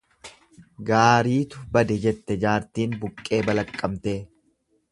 Gaariitu bade jette jaartiin buqqee balaqqamtee.